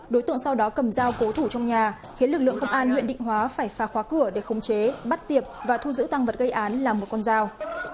đối tượng sau đó cầm dao cố thủ trong nhà khiến lực lượng công an huyện định hóa phải phá khóa cửa để khống chế bắt tiệp và thu giữ tăng vật gây án là một con dao